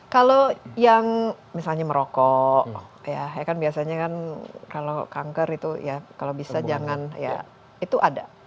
kalau yang misalnya merokok ya kan biasanya kan kalau kanker itu ya kalau bisa jangan ya itu ada